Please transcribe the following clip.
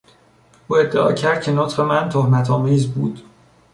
او ادعا کرد که نطق من تهمت آمیز بود.